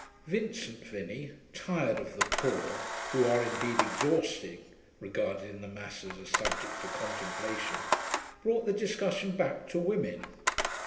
Vincent Vinney, tired of the poor, who are indeed exhausting, regarded in the mass as a subject for contemplation, brought the discussion back to women.